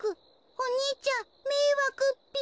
お兄ちゃめいわくっぴ。